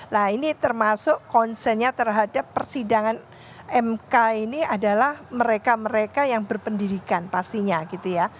nah ini termasuk concernnya terhadap persidangan mk ini adalah mereka mereka yang berpendidikan pastinya gitu ya